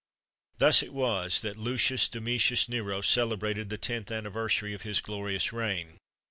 Thus it was that Lucius Domitius Nero celebrated the tenth anniversary of his glorious reign.